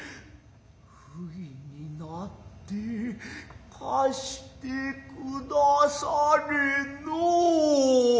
不義になって貸して下されのう。